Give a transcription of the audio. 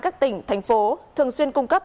các tỉnh thành phố thường xuyên cung cấp